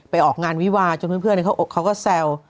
ออกงานวิวาจนเพื่อนเขาก็แซว